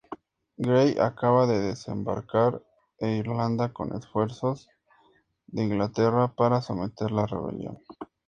Grey acababa de desembarcar en Irlanda con refuerzos de Inglaterra para someter la rebelión.